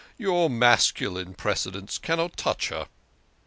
Your masculine precedents cannot touch her."